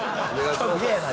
すげえな。